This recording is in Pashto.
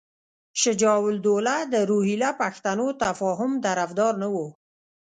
شجاع الدوله د روهیله پښتنو تفاهم طرفدار نه وو.